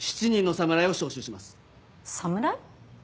侍？